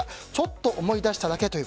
「ちょっと思い出しただけ」。